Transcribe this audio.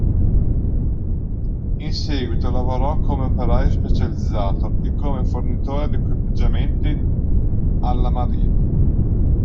In seguito, lavorò come operaio specializzato e come fornitore di equipaggiamenti alla marina.